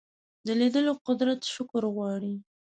د لیدلو قدرت شکر غواړي